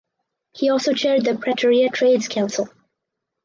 He also chaired the Pretoria Trades Council.